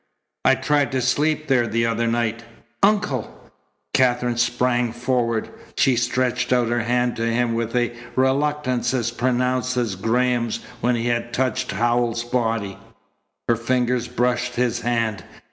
I tried to sleep there the other night " "Uncle!" Katherine sprang forward. She stretched out her hand to him with a reluctance as pronounced as Graham's when he had touched Howells's body. Her fingers brushed his hand.